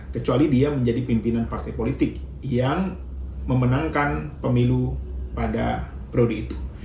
kecuali dia menjadi pimpinan partai politik yang memenangkan pemilu pada periode itu